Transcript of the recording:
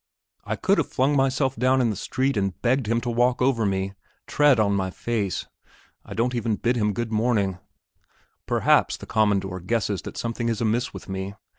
I could have flung myself down in the street and begged him to walk over me, tread on my face. I don't even bid him good evening. Perhaps the "Commandor" guesses that something is amiss with me.